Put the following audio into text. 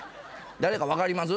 誰か分かります？